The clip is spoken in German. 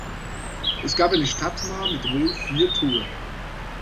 Es gab eine Stadtmauer mit wohl vier Toren.